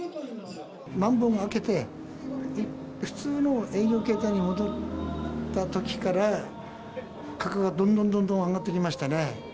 まん防が明けて、普通の営業形態に戻ったときから、価格がどんどんどんどん上がってきましたね。